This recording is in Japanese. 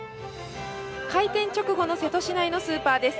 開店直後の瀬戸市内のスーパーです。